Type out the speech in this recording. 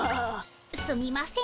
すみません。